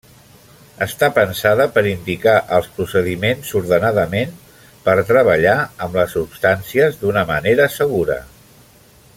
Està pensada per indicar els procediments ordenadament per treballar amb les substàncies d'una manera segura.